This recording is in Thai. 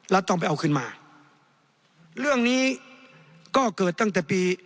ต้องไปเอาขึ้นมาเรื่องนี้ก็เกิดตั้งแต่ปี